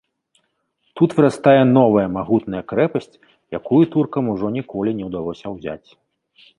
Тут вырастае новая магутная крэпасць, якую туркам ужо ніколі не ўдалося ўзяць.